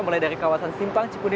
mulai dari kawasan simpang cikuni